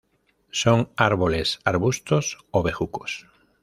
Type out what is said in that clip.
Son árboles, arbustos, o bejucos.